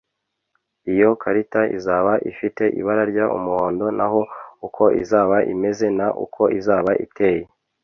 Iyo karita izaba ifite ibara ry umuhondo naho uko izaba imeze n uko izaba iteye